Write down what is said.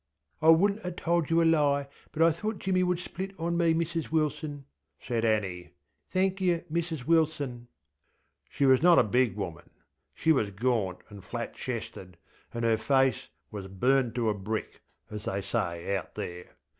ŌĆÖ ŌĆśI wouldnŌĆÖt ŌĆÖaŌĆÖ told yer a lie; but I thought Jimmy would split on me, Mrs Wilson, ŌĆÖ said Annie. ŌĆśThenk yer, Mrs Wilson.ŌĆÖ She was not a big woman. She was gaunt and flat chested, and her face was ŌĆśburnt to a brickŌĆÖ, as they say out there.